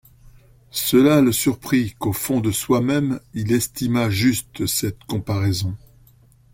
Cela le surprit qu'au fond de soi-même il estimât juste cette comparaison.